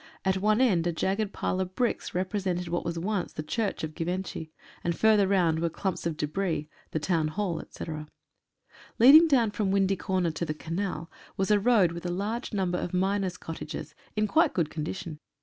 At one end a jagged pile of bricks represented what was once the Church of Givenchy, and further round were clumps of debris — the Town Hall, etc. Leading down from Windy Corner to the Canal was a road with a large number of miners' cottages, in quite good condition.